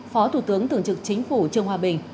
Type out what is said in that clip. phó thủ tướng tưởng trực chính phủ trương hoa bình